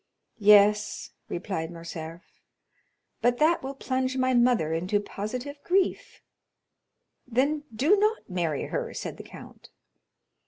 "Yes," replied Morcerf, "but that will plunge my mother into positive grief." "Then do not marry her," said the count.